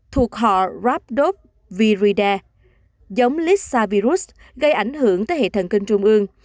thuộc họ rhabdoviridae giống lysavirus gây ảnh hưởng tới hệ thần kinh trung ương